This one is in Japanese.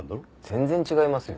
全然違いますよ。